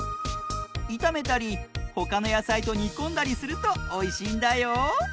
いためたりほかのやさいとにこんだりするとおいしいんだよ。